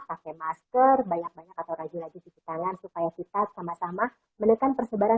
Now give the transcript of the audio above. pakai masker banyak banyak atau raji raji cuci tangan supaya kita sama sama menekan persebaran